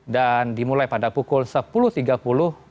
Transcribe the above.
dan dimulai pada pukul sepuluh tiga puluh